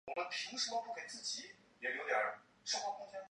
李树兰率其第三十三团转辖于第一一八旅高魁元旅长麾下。